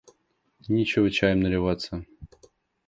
Нечего чаем наливаться.